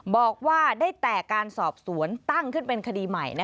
บอกว่าได้แต่การสอบสวนตั้งขึ้นเป็นคดีใหม่